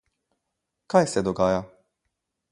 Kaj se dogaja?